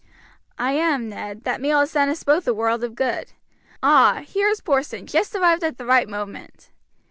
"I am, Ned; that meal has done us both a world of good. Ah! here is Porson, just arrived at the right moment."